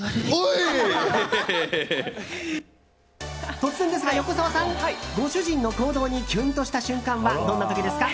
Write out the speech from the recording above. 突然ですが、横澤さんご主人の行動にキュンとした瞬間はどんな時ですか？